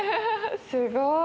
すごい。